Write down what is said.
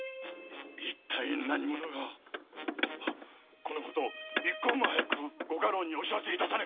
一体何者が⁉このこと一刻も早くご家老にお報せ致さねば！